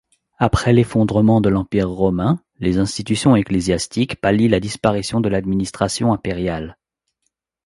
Après l'effondrement de l'Empire romain, les institutions ecclésiastiques pallient la disparition de l'administration impériale.